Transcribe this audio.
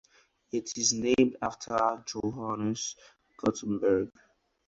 It is named after Johannes Gutenberg.